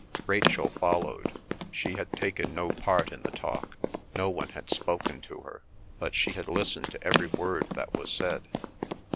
Rachel followed. She had taken no part in the talk; no one had spoken to her; but she had listened to every word that was said.